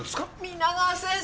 皆川先生！